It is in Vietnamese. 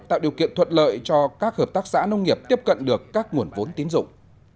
tạo điều kiện thuận lợi cho các hợp tác xã nông nghiệp tiếp cận được các nguồn vốn tín dụng